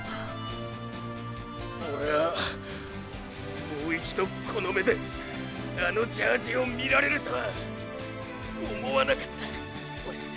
オレはもう一度この目であのジャージを見られるとは思わなかった。